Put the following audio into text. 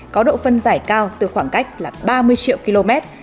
có độ phân giải cao từ khoảng cách là ba mươi triệu km